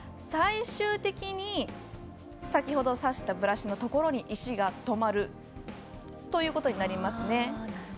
最終的に先ほど指したブラシのところに石が止まるということになります。